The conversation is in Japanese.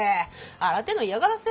新手の嫌がらせ？